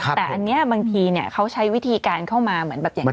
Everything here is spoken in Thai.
แต่อันนี้บางทีเขาใช้วิธีการเข้ามาเหมือนแบบอย่างนี้